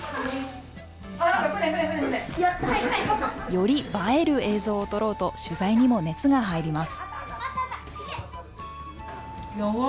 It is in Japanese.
よりばえる映像を撮ろうと取材にも熱が入ります。